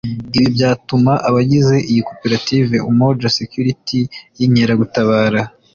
Ibi byatumye abagize iyi koperative Umoja Security y’Inkeragutabara